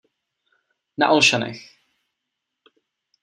Na Olšanech.